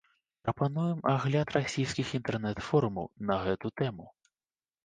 Прапануем агляд расійскіх інтэрнэт-форумаў на гэту тэму.